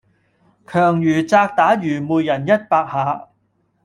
強如責打愚昧人一百下